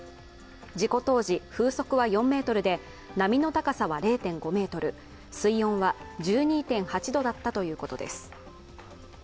事故当時、風速は４メートルで波の高さは０．５ｍ、水温は１２．８度だったということです。